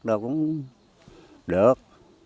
rồi cũng được